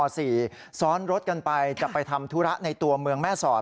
ซ้อนรถกันไปจะไปทำธุระในตัวเมืองแม่สอด